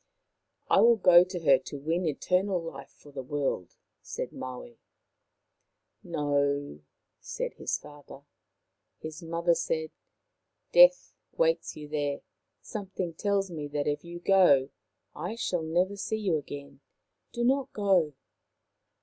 " I will go to her to win eternal life for the world," said Maui. " No," said his father. His mother said :" Death waits for you there. Something tells me that if you go I shall never see you again. Do not go.'